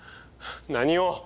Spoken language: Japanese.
何を？